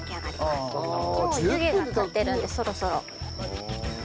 もう湯気が立ってるのでそろそろ。